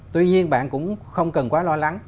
tuy nhiên bạn cũng không cần quá lo lắng